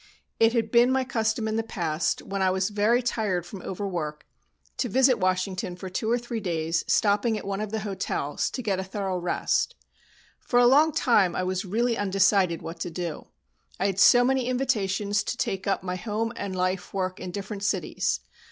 It had been my custom in the past, when I was very tired from overwork, to visit Washington for two or three days, stopping at one of the hotels, to get a thorough rest. For a long time I was really undecided what to do, I had so many invitations to take up my home and life work in different cities.